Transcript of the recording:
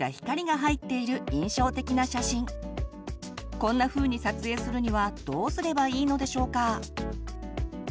こんなふうに撮影するにはどうすればいいのでしょうか？